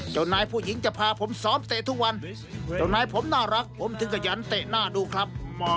เจ้านายผู้หญิงจะพาผมซ้อมเตะทุกวันเจ้านายผมน่ารักผมถึงขยันเตะหน้าดูครับ